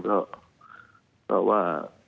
เพราะว่า